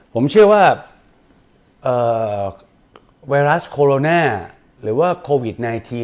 ผมเชื่อว่าไวรัสโคโรนาหรือว่าโควิด๑๙